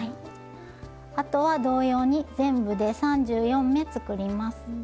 あとは同様に全部で３４目作ります。